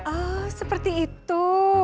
oh seperti itu